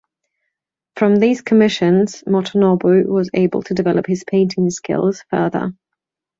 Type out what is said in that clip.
From these commissions Motonobu was able to develop his painting skills further.